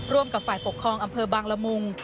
ร่วมกับฝ่ายปกครองอำเภอบางละมุง